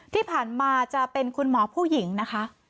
ที่ผ่านมาจะเป็นคุณหมอผู้หญิงนะคะ